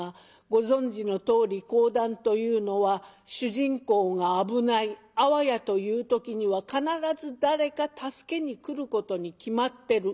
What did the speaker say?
ご存じのとおり講談というのは主人公が危ないあわやという時には必ず誰か助けに来ることに決まってる。